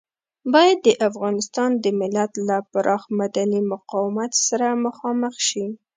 بايد د افغانستان د ملت له پراخ مدني مقاومت سره مخامخ شي.